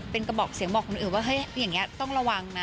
เป็นกระบอกเสียงบอกคนอื่นว่าเฮ้ยอย่างนี้ต้องระวังนะ